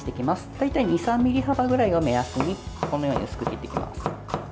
大体２３ｍｍ幅ぐらいを目安にこのように薄く切っていきます。